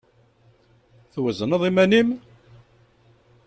Twezneḍ iman-im?